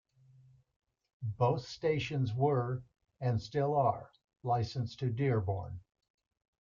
Both stations were, and still are, licensed to Dearborn.